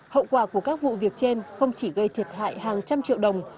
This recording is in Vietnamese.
hậu quả của các vụ việc trên không chỉ gây thiệt hại hàng trăm triệu đồng